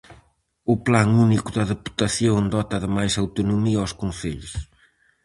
O Plan Único da Deputación dota de máis autonomía aos Concellos.